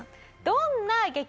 どんな激